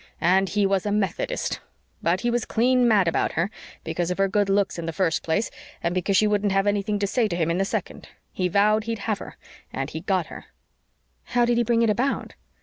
And he was a Methodist! But he was clean mad about her because of her good looks in the first place, and because she wouldn't have anything to say to him in the second. He vowed he'd have her and he got her!" "How did he bring it about?"